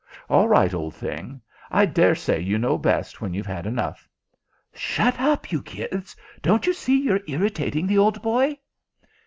All right, old thing. I dare say you know best when you've had enough. Shut up, you kids! Don't you see you're irritating the old boy."